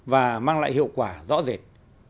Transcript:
và mang lại hiệu quả rõ rệt